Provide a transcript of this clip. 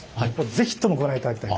是非ともご覧いただきたいと。